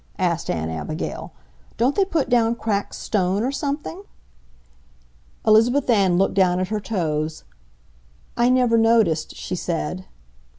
asked Aunt Abigail. "Don't they put down cracked stone or something?" Elizabeth Ann looked down at her toes. "I never noticed," she said.